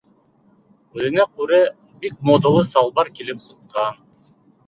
Үҙенә күрә бик модалы салбар килеп сыҡҡан.